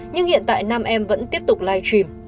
nhưng hiện tại nam em vẫn tiếp tục live stream